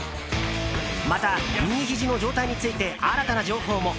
また、右ひじの状態について新たな情報も。